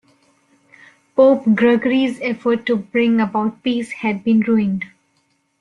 Pope Gregory's efforts to bring about peace had been ruined.